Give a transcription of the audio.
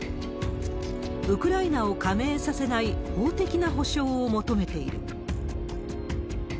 ウクライナを加盟させない法的な保証を求めている。